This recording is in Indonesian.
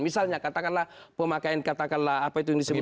misalnya katakanlah pemakaian katakanlah apa itu yang disebut